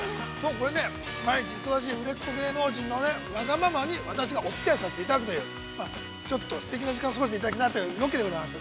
◆これね、毎日忙しい売れっ子芸能人のわがままに、私が、おつき合いさせていただくというちょっとすてきな時間を過ごしていただくというロケでございます。